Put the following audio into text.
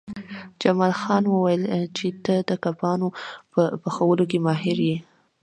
جمال خان وویل چې ته د کبابونو په پخولو کې ماهر یې